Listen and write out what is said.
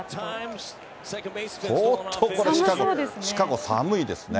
相当これ、シカゴ寒いですね。